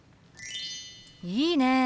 いいね！